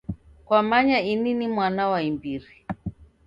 Kwamanya ini ni mwana wa imbiri.